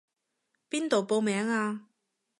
邊度報名啊？